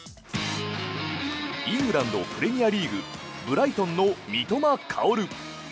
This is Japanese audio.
イングランド・プレミアリーグブライトンの三笘薫。